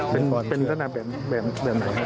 เป็นตาแบบไหนครับ